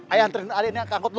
ayo anterin adiknya ke angkut lu